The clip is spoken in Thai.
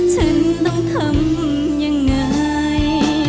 ฉันต้องทำยังไง